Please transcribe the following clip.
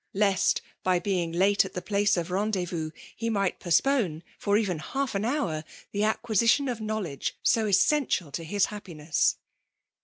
test, by being late at the pbee of tendewoas, he might postpone, for even half an hour, the acquisition of knowledge ■0 essential to his happiness.